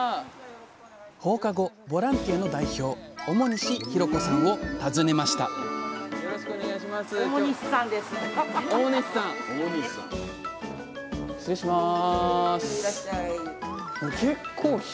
放課後ボランティアの代表表西弘子さんを訪ねました失礼します。